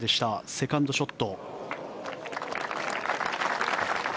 セカンドショット。